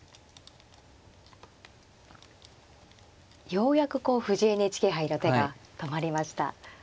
ようやくこう藤井ＮＨＫ杯の手が止まりました。